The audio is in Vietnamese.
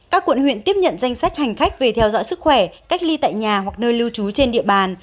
các quận huyện tiếp nhận danh sách hành khách về theo dõi sức khỏe cách ly tại nhà hoặc nơi lưu trú trên địa bàn